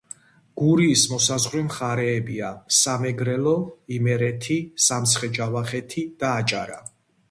გურიის მოსაზღვრე მხარეებია: სამეგრელო, იმერეთი, სამცხე-ჯავახეთი და აჭარა.